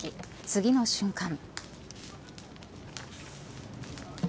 次の瞬間。